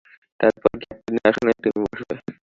তারপর ক্যাপ্টেনের আসনে তুমি বসবে।